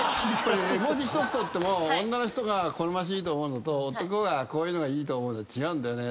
絵文字１つとっても女の人が好ましいと思うのと男がこういうのがいいと思うの違うんだよね。